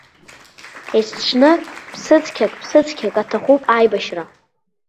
Есҽны ԥсыцқьак-ԥсыцқьак аҭахуп аибашьра.